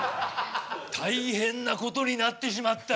大変なことになってしまった。